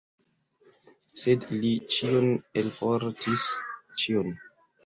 Sed li ĉion elportis, ĉion!